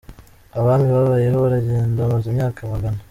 Abami babayeho baragenda bamaze imyaka amagana.